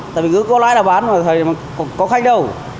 tại vì cứ có lãi là bán mà có khách đâu